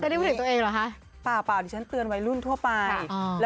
เปลี่ยนตัวเองเหรอฮะเปล่าฉันเตือนไว้รุ่นทั่วไป